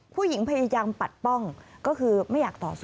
ผู้หญิงพยายามปัดป้องก็คือไม่อยากต่อสู้